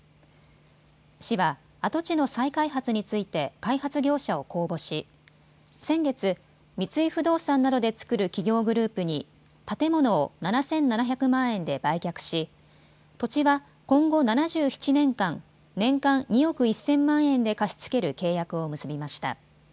市は跡地の再開発について開発業者を公募し先月、三井不動産などで作る企業グループに建物を７７００万円で売却し土地は今後７７年間、年間２億１０００万円で貸し付ける契約を結びました。